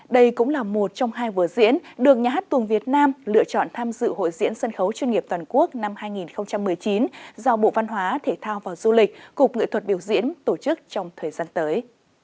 đây cũng là một trong hai vở diễn được nhà hát tuồng việt nam lựa chọn tham dự hội diễn sân khấu chuyên nghiệp toàn quốc năm hai nghìn một mươi chín do bộ văn hóa thể thao và du lịch cục nghệ thuật biểu diễn tổ chức trong thời gian tới